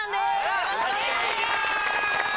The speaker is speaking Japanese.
よろしくお願いします！